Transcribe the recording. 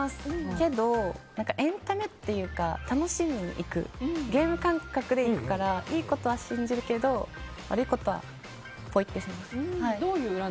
けど、エンタメっていうか楽しみに行くゲーム感覚で行くからいいことは信じるけど悪いことはポイってします。